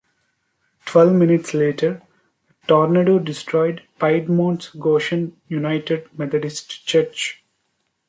Twelve minutes later, the tornado destroyed Piedmont's Goshen United Methodist Church.